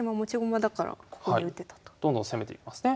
どんどん攻めていきますね。